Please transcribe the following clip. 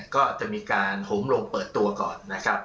ก็จะมีการหงลงเปิดตัวก่อน